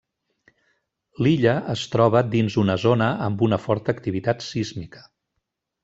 L'illa es troba dins una zona amb una forta activitat sísmica.